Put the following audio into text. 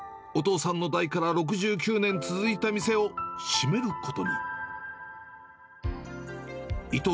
お父さんの代から６９年続いた店を閉めることに。